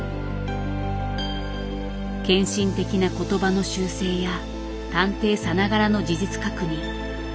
献身的な言葉の修正や探偵さながらの事実確認。